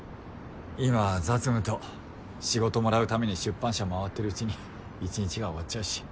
今は雑務と仕事もらうために出版社まわってるうちに１日が終わっちゃうし。